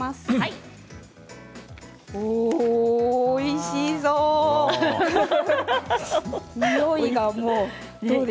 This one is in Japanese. おいしそう！